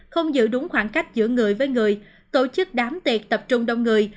không giữ đúng khoảng cách giữa người với người tổ chức đám tiệc tập trung đông người